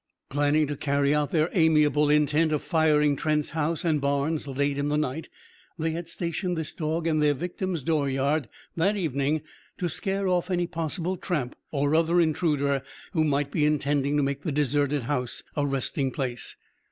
Planning to carry out their amiable intent of firing Trent's house and barns late in the night, they had stationed this dog in their victim's dooryard that evening, to scare off any possible tramp or other intruder who might be intending to make the deserted house a resting place.